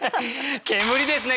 「煙」ですね